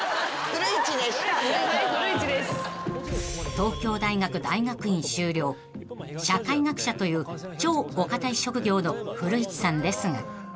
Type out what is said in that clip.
［東京大学大学院修了社会学者という超お堅い職業の古市さんですが］